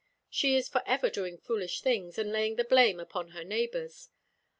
She is for ever doing foolish things, and laying the blame upon her neighbours.